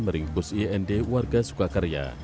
meringkus ind warga sukakarya